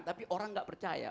tapi orang gak percaya